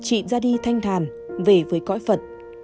chị ra đi thanh thản về với cõi phật